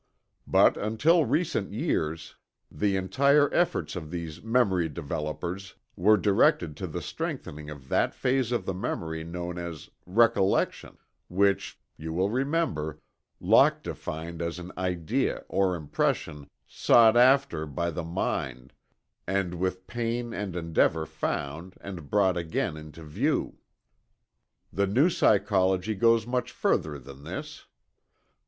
But until recent years, the entire efforts of these memory developers were directed to the strengthening of that phase of the memory known as "recollection," which, you will remember, Locke defined as an idea or impression "sought after by the mind, and with pain and endeavor found, and brought again into view." The New Psychology goes much further than this.